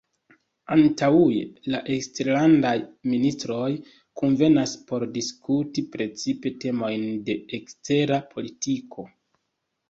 Antaŭe la eksterlandaj ministroj kunvenas por diskuti precipe temojn de ekstera politiko.